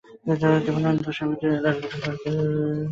কৃপানন্দ, স্বামী ল্যাণ্ডসবার্গ দ্রষ্টব্য।